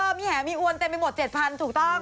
เออมีแห่มีอวนเต็มไปหมด๗พันถูกต้อง